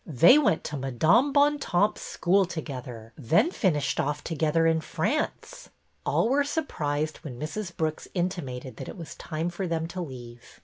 They went to Madame Bontemps' school together, then finished off together in France." All were surprised when Mrs. Brooks intimated that it was time for them to leave.